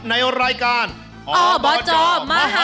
ในรายการอบมหาสนุก